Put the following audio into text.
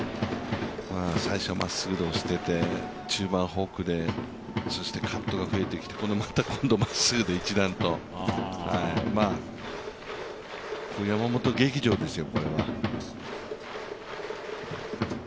最初はまっすぐで押してて、中盤フォークで、そしてカットが増えてきて、まっすぐで押して、山本劇場ですよ、これは。